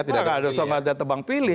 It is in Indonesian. tidak ada tebang pilih